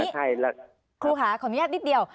ที่นี้ครูขาขออนุญาตนิดเดียว